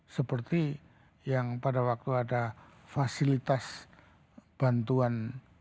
seperti yang pada waktu ada fasilitas bantuan